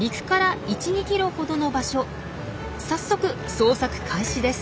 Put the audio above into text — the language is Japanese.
早速捜索開始です。